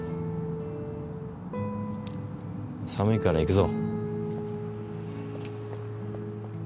寒いから行くぞ。